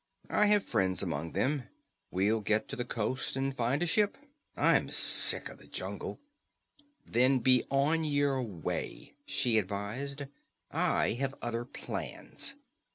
I have friends among them. We'll get to the coast and find a ship. I'm sick of the jungle." "Then be on your way," she advised. "I have other plans."